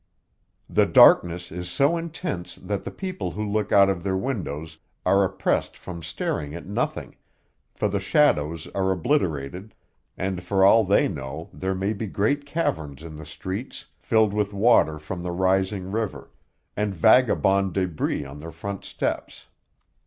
The darkness is so intense that the people who look out of their windows are oppressed from staring at nothing, for the shadows are obliterated, and for all they know there may be great caverns in the streets, filled with water from the rising river, and vagabond debris on their front steps.